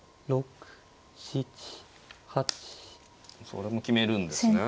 それも決めるんですね。